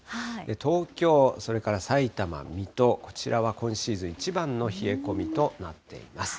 東京、それからさいたま、水戸、こちらは今シーズン一番の冷え込みとなっています。